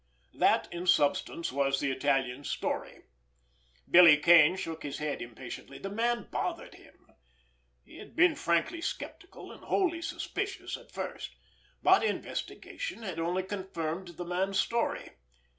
That, in substance, was the Italian's story. Billy Kane shook his head impatiently. The man bothered him. He had been frankly skeptical and wholly suspicious at first; but investigation had only confirmed the man's story.